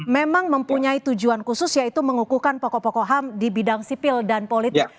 memang mempunyai tujuan khusus yaitu mengukuhkan pokok pokok ham di bidang sipil dan politik